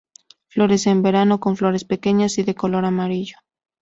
Florece en verano, con flores pequeñas y de color amarillo.